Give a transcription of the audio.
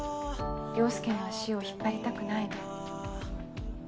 陽佑の足を引っ張りたくないの。